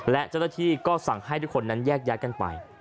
และเจ้าตะที่ก็สั่งให้ทุกคนนั้นแยกกันไป